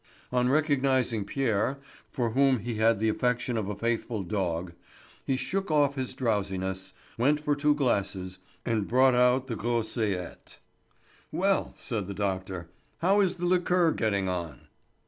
On recognising Pierre for whom he had the affection of a faithful dog, he shook off his drowsiness, went for two glasses, and brought out the Groseillette. "Well," said the doctor, "how is the liqueur getting on?"